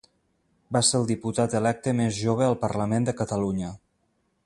Va ser el diputat electe més jove al parlament de Catalunya.